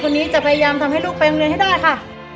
คนนี้จะพยายามทำให้ลูกไปโรงเรียนให้ได้ค่ะ